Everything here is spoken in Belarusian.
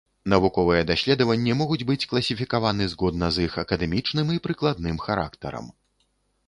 Навуковыя даследаванні могуць быць класіфікаваны згодна з іх акадэмічным і прыкладным характарам.